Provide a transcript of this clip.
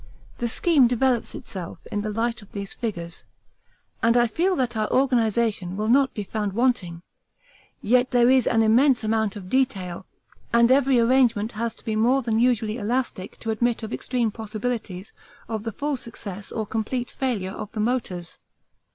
The scheme develops itself in the light of these figures, and I feel that our organisation will not be found wanting, yet there is an immense amount of detail, and every arrangement has to be more than usually elastic to admit of extreme possibilities of the full success or complete failure of the motors.